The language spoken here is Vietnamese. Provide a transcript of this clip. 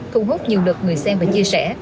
thu hút nhiều lực người xem và chia sẻ